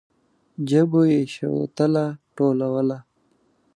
ژبو يې شوتله ټولوله.